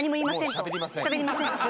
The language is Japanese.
しゃべりません。